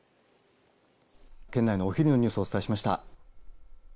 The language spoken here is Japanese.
県内のお昼のニュースをお伝えしました。